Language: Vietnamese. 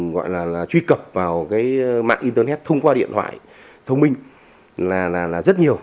gọi là truy cập vào cái mạng internet thông qua điện thoại thông minh là rất nhiều